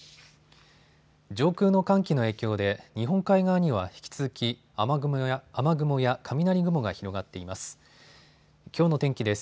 上空の寒気の影響で日本海側には引き続き雨雲や雷雲が広がっています。